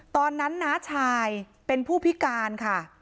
ตอนนั้นน้าชายเป็นผู้พิการค่ะ